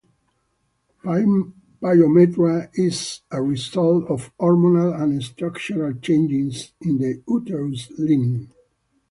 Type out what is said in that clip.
Pyometra is a result of hormonal and structural changes in the uterus lining.